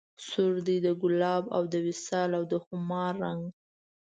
سور دی د ګلاب او د وصال او د خمار رنګ